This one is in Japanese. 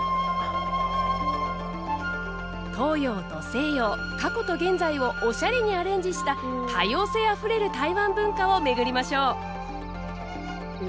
東洋と西洋過去と現在をおしゃれにアレンジした多様性あふれる台湾文化を巡りましょう。